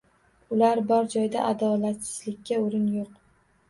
Ular bor joyda adolatsizlikka o‘rin yo‘q!